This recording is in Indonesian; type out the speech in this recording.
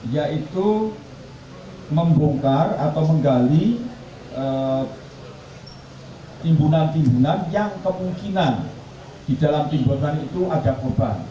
yaitu membongkar atau menggali timbunan timbunan yang kemungkinan di dalam timbunan itu ada korban